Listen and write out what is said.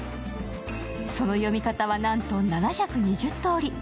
その読み方は、なんと７２０通り。